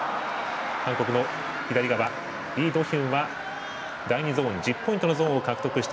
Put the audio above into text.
韓国の左側、イ・ドヒュンは第２ゾーン１０ポイントのゾーンを獲得。